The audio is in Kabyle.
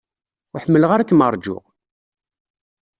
Ur ḥemmleɣ ara ad kem-ṛjuɣ.